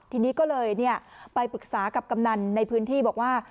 ทีนี้ก็เลยไปปรึกษากับกำนันในพื้นที่บอกว่า